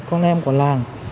con em của làng